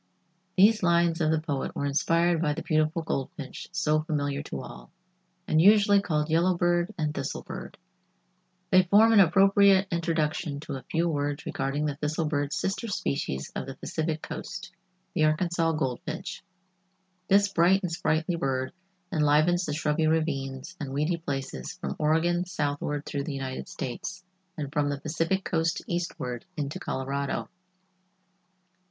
These lines of the poet were inspired by the beautiful goldfinch so familiar to all, and usually called yellow bird and thistle bird. They form an appropriate introduction to a few words regarding the thistle bird's sister species of the Pacific coast—the Arkansas Goldfinch. This bright and sprightly bird enlivens the shrubby ravines and weedy places from Oregon southward through the United States, and from the Pacific coast eastward into Colorado.